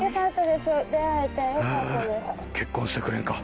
結婚してくれんか？